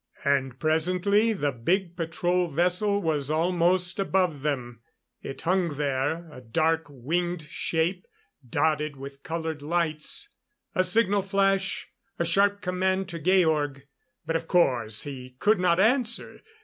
And presently the big patrol vessel was almost above them. It hung there, a dark winged shape dotted with colored lights. A signal flash a sharp command to Georg, but, of course, he could not answer.